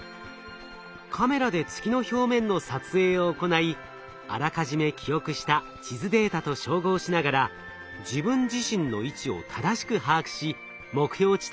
カメラで月の表面の撮影を行いあらかじめ記憶した地図データと照合しながら自分自身の位置を正しく把握し目標地点へと移動します。